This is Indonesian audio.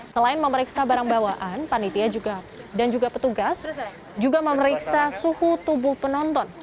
selain memeriksa barang bawaan panitia dan juga petugas juga memeriksa suhu tubuh penonton